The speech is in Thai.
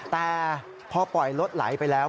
แต่พอปล่อยรถไหลไปแล้ว